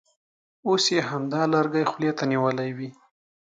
اوس یې همدا لرګی خولې ته نیولی وي.